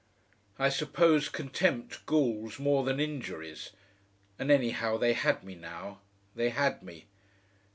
I suppose contempt galls more than injuries, and anyhow they had me now. They had me.